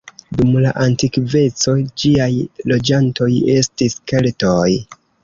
Dum la antikveco ĝiaj loĝantoj estis Keltoj.